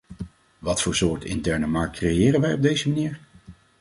Wat voor soort interne markt creëren wij op deze manier?